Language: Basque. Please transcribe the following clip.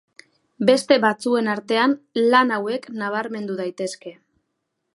Beste batzuen artean lan hauek nabarmendu daitezke.